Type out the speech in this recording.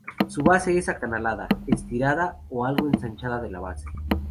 Su base es acanalada, estriada o algo ensanchada en la base.